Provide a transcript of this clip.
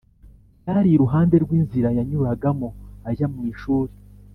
byari iruhande rw'inzira yanyuragamo ajya mu ishuli.